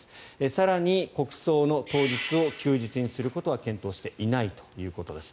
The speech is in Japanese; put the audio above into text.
更に、国葬の当日を休日にすることは検討していないということです。